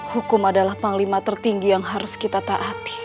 hukum adalah panglima tertinggi yang harus kita taati